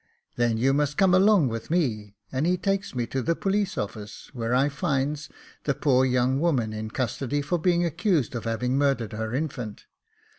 ' Then you must come along with me ;' and he takes me to the police office, where I finds the poor young woman in custody for being accused of having murdered her infant.